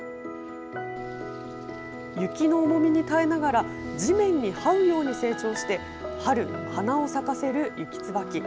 雪の重みに耐えながら、地面にはうように成長して、春、花を咲かせるユキツバキ。